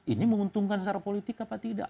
ini menguntungkan secara politik apa tidak